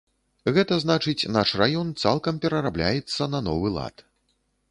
Гэта значыць, наш раён цалкам перарабляецца на новы лад.